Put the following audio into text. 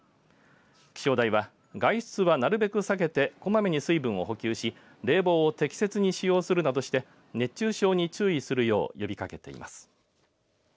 気象台は、外出はなるべく避けてこまめに水分を補給し冷房を適切に使用するなどして熱中症に注意するよう呼びかけています。